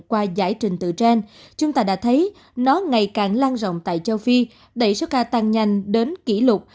qua giải trình từ trên chúng ta đã thấy nó ngày càng lan rộng tại châu phi đẩy số ca tăng nhanh đến kỷ lục